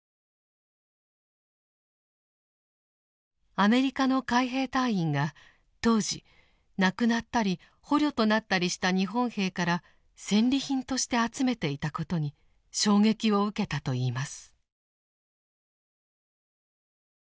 アメリカの海兵隊員が当時亡くなったり捕虜となったりした日本兵から戦利品として集めていたことに衝撃を受けたといいます。